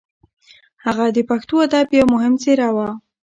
هغه د پښتو ادب یو مهم څېره وه.